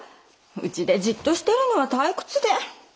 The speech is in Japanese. うちでじっとしてるのは退屈で。